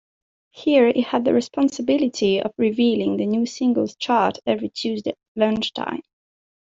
Here he had the responsibility of revealing the new singles chart every Tuesday lunchtime.